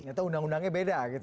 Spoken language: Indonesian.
atau undang undangnya beda gitu